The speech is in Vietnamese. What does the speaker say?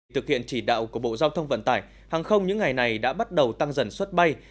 thực hiện chỉ đạo của bộ giao thông vận tải hàng không những ngày này đã bắt đầu tăng dần xuất bay